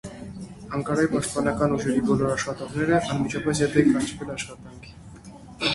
Անկարայի պաշտպանական ուժերի բոլոր աշխատողները անմիջապես ետ են կանչվել աշխատանքի։